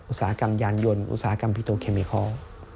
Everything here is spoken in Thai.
อุตสาหกรรมยานยนต์อุตสาหกรรมพิโตเคมิคอล